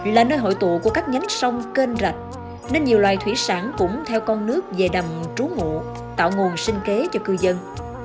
là nơi hội tụ của các nhánh sông kênh rạch nên nhiều loài thủy sản cũng theo con nước về đầm trú ngộ tạo nguồn sinh kế cho cư dân